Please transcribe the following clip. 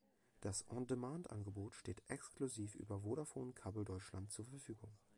Das On-Demand-Angebot steht exklusiv über Vodafone Kabel Deutschland zur Verfügung.